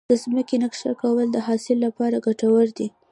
د ځمکې نقشه کول د حاصل لپاره ګټور دي.